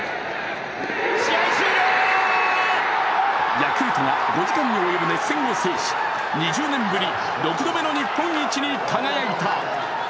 ヤクルトが５時間に及ぶ熱戦を制し２０年ぶり６度目の日本一に輝いた。